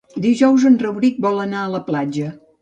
Dijous en Rauric vol anar a la platja.